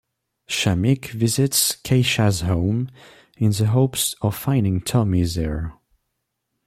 Shameek visits Keisha's home, in the hopes of finding Tommy there.